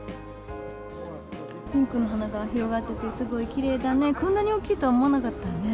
ピンクの花が広がってて、すごいきれいだね、こんなに大きいと思わなかったね。